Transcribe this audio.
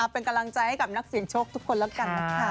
เป็นกำลังใจให้กับนักเสียงโชคทุกคนแล้วกันนะคะ